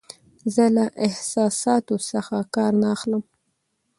زه له احساساتو څخه کار نه اخلم.